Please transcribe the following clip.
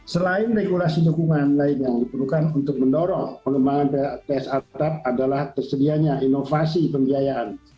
selain regulasi dukungan lain yang diperlukan untuk mendorong pengembangan plts atap adalah tersedianya inovasi pembiayaan